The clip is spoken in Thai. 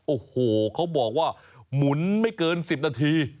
โอ้โหเขาบอกว่าหมุนไม่เกิน๑๐นาที